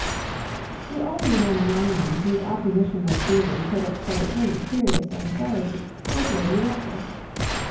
The only one among them, whose opposition of feeling could excite any serious anxiety was Lady Russell.